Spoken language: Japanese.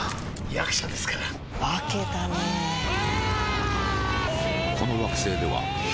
役者ですから化けたねうわーーー！